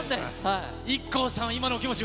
ＩＫＫＯさん、今のお気持ち